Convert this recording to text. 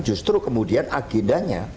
justru kemudian agendanya